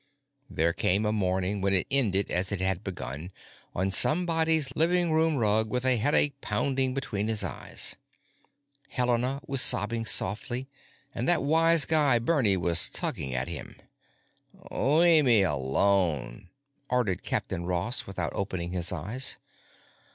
There came a morning when it ended as it had begun: on somebody's living room rug with a headache pounding between his eyes. Helena was sobbing softly, and that wise guy, Bernie, was tugging at him. "Lea' me alone," ordered Captain Ross without opening his eyes.